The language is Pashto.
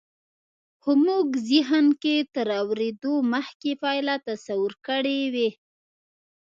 خو مونږ زهن کې تر اورېدو مخکې پایله تصور کړې وي